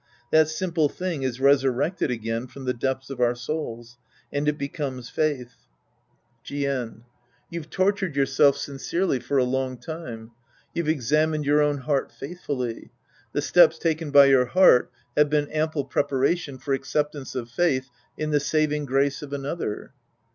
That simple thing is resurrected again from the depths of our souls. And it becomes faith. Sc. II The Priest and His Disciples 53 Jien. You've tortured yourself sincerely for a long time. You've examined your own heart faithfully The steps taken by your heart have been ample pre paration for acceptance of faith in the saving grace of another.